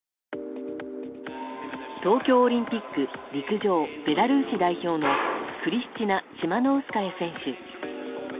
東京オリンピック陸上ベラルーシ代表のクリスチナ・チマノウスカヤ選手。